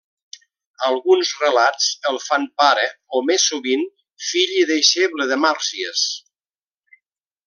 Alguns relats el fan pare, o, més sovint, fill i deixeble de Màrsies.